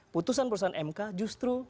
putusan putusan mk justru